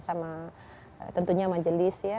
sama tentunya majelis ya